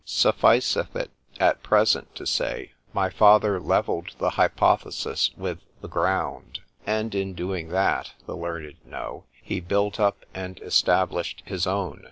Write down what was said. —— Sufficeth it, at present to say, my father levelled the hypothesis with the ground, and in doing that, the learned know, he built up and established his own.